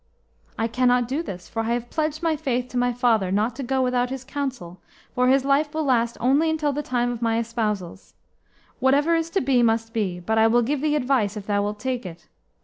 "I cannot do this, for I have pledged my faith to my father not to go without his counsel, for his life will last only until the time of my espousals. Whatever is to be, must be. But I will give thee advice, if thou wilt take it.